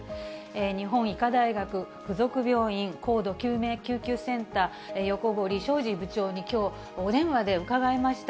日本医科大学付属病院高度救急救命センター、横堀將司部長にきょう、お電話で伺いました。